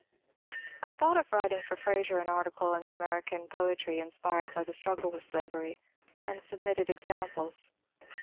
I thought of writing for " Eraser " an article on the Ameri can poetry inspired by the struggle with slavery, and submitted examples.